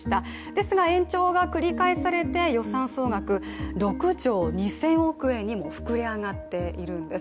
ですが延長が繰り返されて予算総額６兆２０００億円にも膨れ上がっているんです。